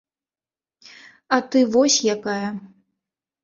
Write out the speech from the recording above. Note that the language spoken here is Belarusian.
А ты вось якая.